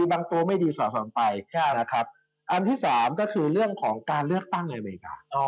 อันที่สามก็คือเรื่องของการเลือกตั้งอำนวยอเมริกา